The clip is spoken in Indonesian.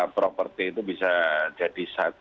properti itu bisa jadi